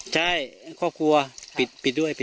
ใช่ครอบครัวปิดด้วย